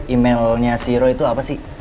emailnya si roy itu apa sih